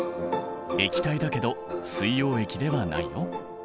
液体だけど水溶液ではないよ。